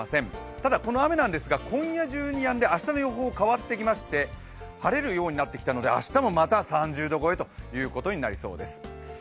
ただ、この雨なんですが、今夜中にやんで、明日の予報がまた変わってきたので、晴れるようになってきたので、明日もまた３０度超えということになりそうです